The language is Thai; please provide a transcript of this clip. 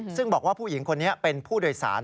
ซึ่งบอกว่าผู้หญิงคนนี้เป็นผู้โดยสาร